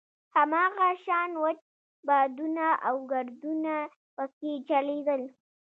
هماغه شان وچ بادونه او ګردونه په کې چلېدل.